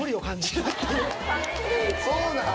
そうなん？